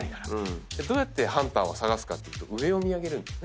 どうやってハンターは探すかっていうと上を見上げるんですね。